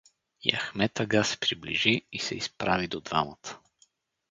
И Ахмед ага се приближи и се изправи до двамата.